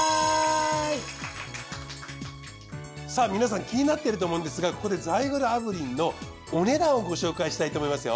さぁ皆さん気になってると思うんですがここでザイグル炙輪のお値段をご紹介したいと思いますよ。